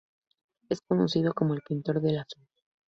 Es conocido como el pintor del azul.